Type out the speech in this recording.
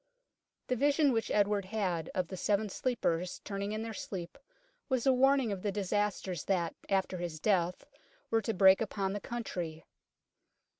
The vision which Edward had of the Seven Sleepers turning in their sleep was a warning of the disasters that after his death were to break upon the country.